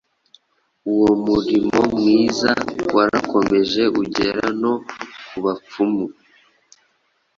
Uwo murimo mwiza warakomeje ugera no ku bapfumu;